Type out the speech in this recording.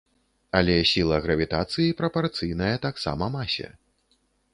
Але сіла гравітацыі прапарцыйная таксама масе.